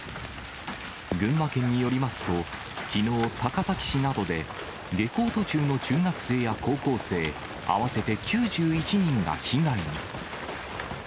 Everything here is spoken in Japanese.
群馬県によりますと、きのう、高崎市などで下校途中の中学生や高校生合わせて９１人が被害に。